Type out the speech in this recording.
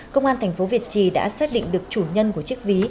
công an thành phố việt trì đã xác định được chủ nhân của chiếc ví